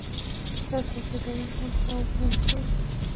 کله چې ماشوم جامې اغوندي، هغه ورته مناسبې وي.